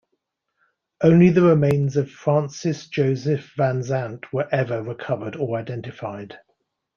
Only the remains of Francis Joseph Van Zandt were ever recovered or identified.